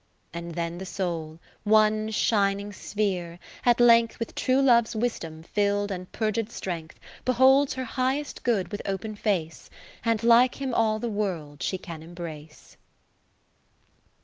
70 And then the soul, one shining sphere, at length With true Love's wisdom fill'd and purged strength, Beholds her highest good with open face. And like him all the World she can embrace.